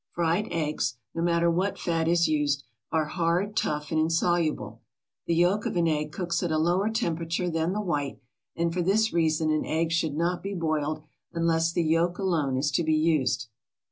Fried eggs, no matter what fat is used, are hard, tough and insoluble. The yolk of an egg cooks at a lower temperature than the white, and for this reason an egg should not be boiled unless the yolk alone is to be used.